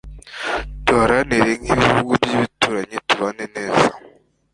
duhahirane nk'ibihugu by'ibituranyi tubane neza